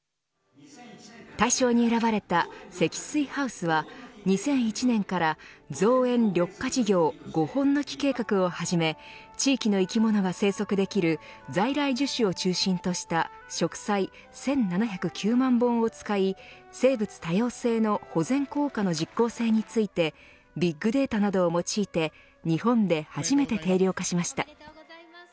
大賞に選ばれた積水ハウスは２００１年から造園緑化事業５本の樹計画をはじめ地域の生き物が生息できる在来樹種を中心とした植栽１７０９万本を使い生物多様性の保全効果の実効性についてビッグデータなどを用いて日本で初めて定量化しました。